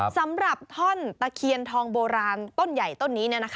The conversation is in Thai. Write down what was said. สำหรับท่อนตะเคียนทองโบราณต้นใหญ่ต้นนี้